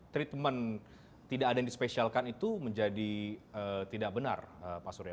treatment tidak ada yang dispesialkan itu menjadi tidak benar pak surya